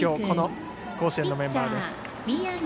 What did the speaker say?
この甲子園のメンバーです。